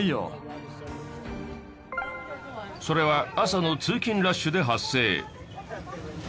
それは朝の通勤ラッシュで発生。